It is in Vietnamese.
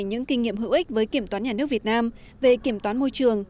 những kinh nghiệm hữu ích với kiểm toán nhà nước việt nam về kiểm toán môi trường